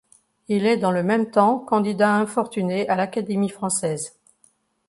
Il est dans le même temps candidat infortuné à l'Académie française.